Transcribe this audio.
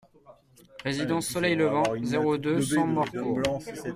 Résidence Soleil Levant, zéro deux, cent Morcourt